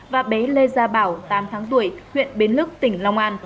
và bé lê gia bảo tám tháng tuổi huyện bến lức tỉnh long an